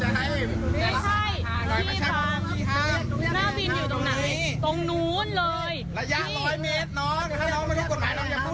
ระยะ๑๐๐เมตรน้องถ้าเราไม่รู้กฎหมายเราอย่าพูดดีกว่า